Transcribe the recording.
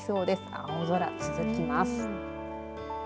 青空、続きます。